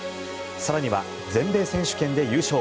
更には、全米選手権で優勝